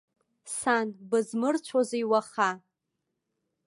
Сан, бызмырцәозеи уаха.